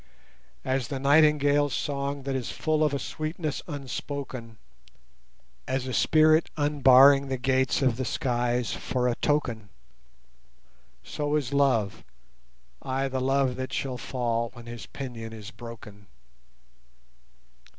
As the nightingale's song that is full of a sweetness unspoken, As a spirit unbarring the gates of the skies for a token, So is love! ay, the love that shall fall when his pinion is broken.